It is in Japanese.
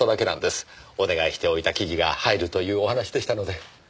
お願いしておいた生地が入るというお話でしたので。